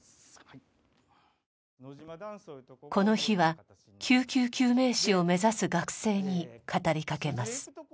この日は救急救命士を目指す学生に語りかけます。